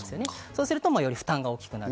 すると、より負担が大きくなる。